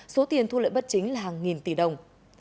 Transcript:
số tiền thu lợi bất chính là hàng nghìn tỷ đồng